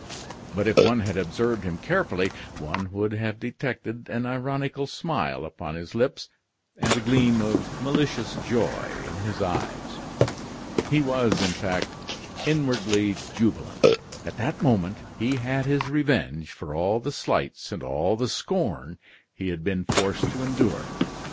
But if one had observed him carefully, one would have detected an ironical smile upon his lips and a gleam of malicious joy in his eyes. He was, in fact, inwardly jubilant. At that moment he had his revenge for all the slights and all the scorn he had been forced to endure.